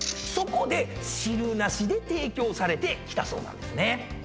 そこで汁なしで提供されてきたそうなんですね。